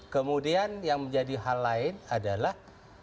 kemudian yang menjadi hal lain adalah